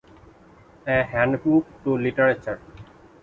"A Handbook to Literature".